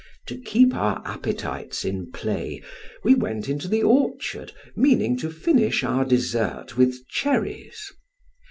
To keep our appetites in play, we went into the orchard, meaning to finish our dessert with cherries.